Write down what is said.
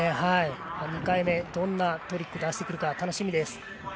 ２回目、どんなトリック出してくるか、楽しみです。